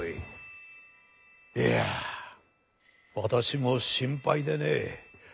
いや私も心配でねぇ。